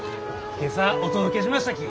今朝お届けしましたき。